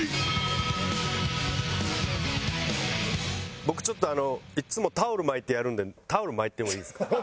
僕ちょっといつもタオル巻いてやるんでタオル巻いてもいいですか？